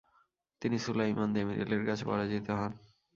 তিনি সুলাইমান দেমিরেলের কাছে পরাজিত হন।